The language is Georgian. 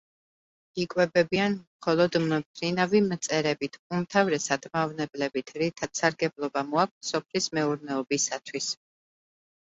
იკვებებიან მხოლოდ მფრინავი მწერებით, უმთავრესად მავნებლებით, რითაც სარგებლობა მოაქვთ სოფლის მეურნეობისათვის.